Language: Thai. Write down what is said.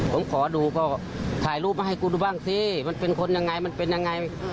ผมขอดูก็ถ่ายรูปมาให้กูดูบ้างสิมันเป็นคนยังไงมันเป็นยังไง